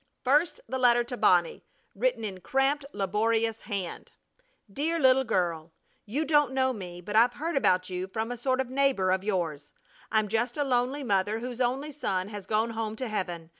First the letter to Bonnie, written in a cramped, laborious hand: DEAR LITTLE GIRL: You don't know me, but I've heard about you from a sort of neighbor of yours. I'm just a lonely mother whose only son has gone home to heaven.